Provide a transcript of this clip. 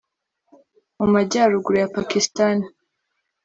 mu majyaruguru ya pakistani